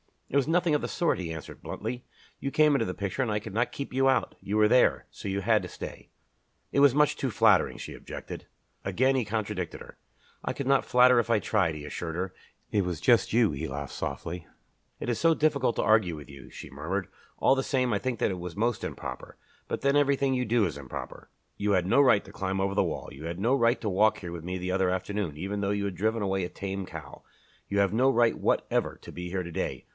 "It was nothing of the sort," he answered bluntly. "You came into the picture and I could not keep you out. You were there, so you had to stay." "It was much too flattering," she objected. Again he contradicted her. "I could not flatter if I tried," he assured her. "It was just you." She laughed softly. "It is so difficult to argue with you," she murmured. "All the same, I think that it was most improper. But then everything you do is improper. You had no right to climb over that wall, you had no right to walk here with me the other afternoon, even though you had driven away a tame cow. You have no right whatever to be here to day.